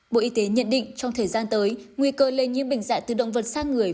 bộ y tế nhận định trong thời gian tới nguy cơ lây nhiễm bệnh dạy từ động vật sang người